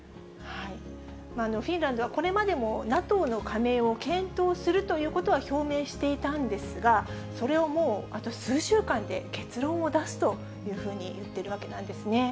フィンランドはこれまでも、ＮＡＴＯの加盟を検討するということは表明していたんですが、それをもう、あと数週間で結論を出すというふうに言ってるわけなんですね。